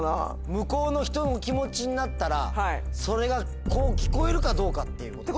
向こうの人の気持ちになったらそれがこう聞こえるかどうか。ってことですよね。